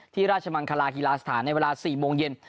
ที่ราชมังคลากีฬาสถานในเวลาสี่โมงเย็น